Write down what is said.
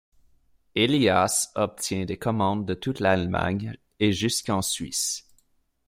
Elias obtient des commandes de toute l’Allemagne et jusqu’en Suisse.